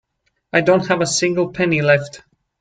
I don't have a single penny left.